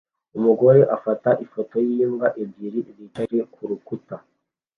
Umugore afata ifoto yimbwa ebyiri zicaye kurukuta